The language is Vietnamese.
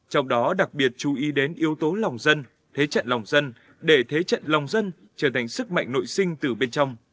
trong đó đặc biệt chú ý đến yếu tố lòng dân thế trận lòng dân để thế trận lòng dân trở thành sức mạnh nội sinh từ bên trong